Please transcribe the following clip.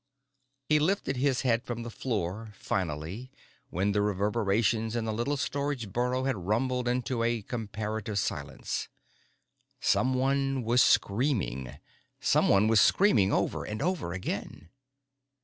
He lifted his head from the floor finally, when the reverberations in the little storage burrow had rumbled into a comparative silence. Someone was screaming. Someone was screaming over and over again.